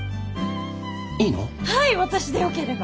はい私でよければ。